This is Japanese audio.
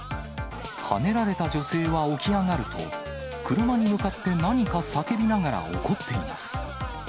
はねられた女性は起き上がると、車に向かって何か叫びながら怒っています。